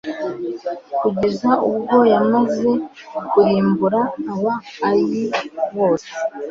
kugeza ubwo yamaze kurimbura aba ayi bose